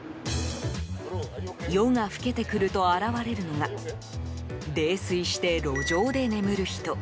夜が更けてくると現れるのが泥酔して路上で眠る人。